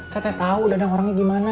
saya tak tahu dadang orangnya di mana